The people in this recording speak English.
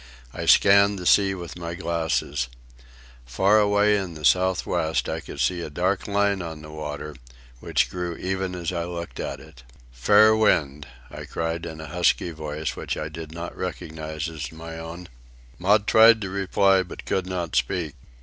I scanned the sea with my glasses. Far away in the south west I could see a dark line on the water, which grew even as I looked at it. "Fair wind!" I cried in a husky voice I did not recognize as my own. Maud tried to reply, but could not speak.